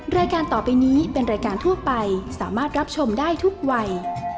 รายการต่อไปนี้เป็นรายการทั่วไปสามารถรับชมได้ทุกวัย